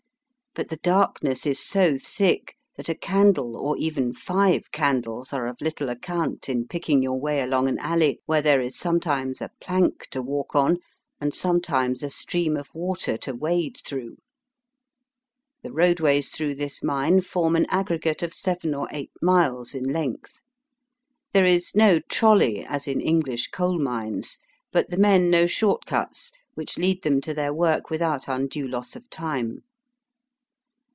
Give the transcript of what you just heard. But the darkness is so thick that a candle or even five candles are of little account in picking your way along an alley where there is sometimes a plank to walk on, and sometimes a stream of water to wade through. The roadways through this mine form an aggregate of seven or eight miles in length. There is no trolly as in Enghsh coal mines, but the men know short cuts, which lead them to their work without undue loss of time.